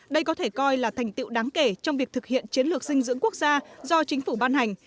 đây có thể coi là thành tiệu đáng kể trong việc thực hiện chiến lược dinh dưỡng quốc gia do chính phủ ban hành